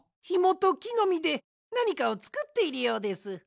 ひもときのみでなにかをつくっているようです。